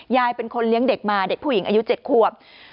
ยายเป็นคนเลี้ยงเด็กมาเด็กผู้หญิงอายุ๗ควบ